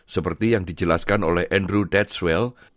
seperti yang dijelaskan oleh andrew detswell